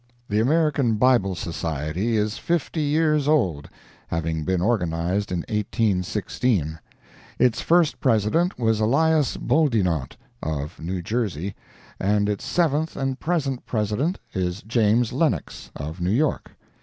The American Bible Society is fifty years old, having been organized in 1816. Its first President was Elias Boudinot, of New Jersey, and its seventh and present President is James Lennox, of New York.